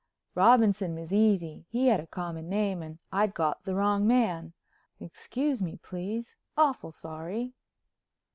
Robinson was easy—he had a common name and I'd got the wrong man. Excuse me, please, awful sorry.